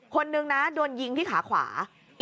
คนนึงนะโดนยิงที่ขาขวา